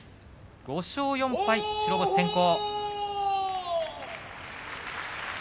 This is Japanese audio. ５勝４敗、白星先行。